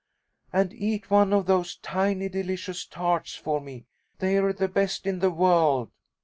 And eat one of those tiny delicious tarts for me. They're the best in the world.